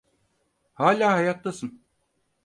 Hâlâ hayattasın.